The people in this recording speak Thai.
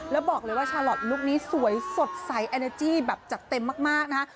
แล้วบอกเลยว่าชาลอทลูกนี้สวยสดใสแอนนาจี้แบบจัดเต็มมากนะฮะ